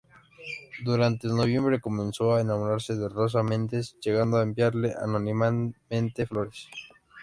Durante noviembre comenzó a enamorarse de Rosa Mendes llegando a enviarle anónimamente flores.